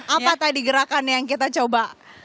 apa tadi gerakan yang kita coba